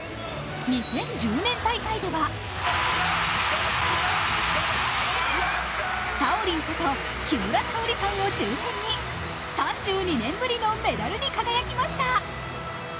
２０１０年大会では、サオリンこと木村沙織さんを中心に３２年ぶりのメダルに輝きました。